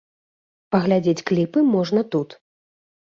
Паглядзець кліпы можна тут.